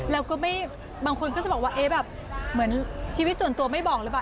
แล้วก็ไม่บางคนก็จะบอกว่าเอ๊ะแบบเหมือนชีวิตส่วนตัวไม่บอกหรือเปล่า